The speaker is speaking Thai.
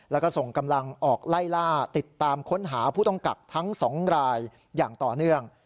แล้วก็ส่งกำลังออกไล่ล่าติดตามค้นหาผู้ต้องกักทั้ง๒รายอย่างต่อเนื่อง